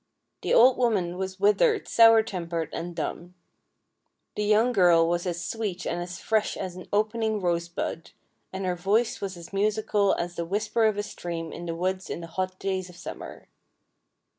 The old woman was withered, sour tempered, and dumb. The young girl was as sweet and as fresh as an opening rosebud, and her voice was as musical as the whisper of a stream in the woods in the hot days of summer.